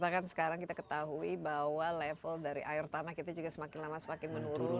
karena kan sekarang kita ketahui bahwa level dari air tanah kita juga semakin lama semakin menurun